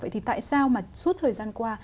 vậy thì tại sao mà suốt thời gian qua